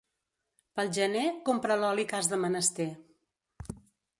Pel gener, compra l'oli que has de menester.